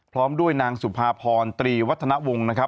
พร้อมด้วยนางสุภาพรตรีวัฒนวงศ์นะครับ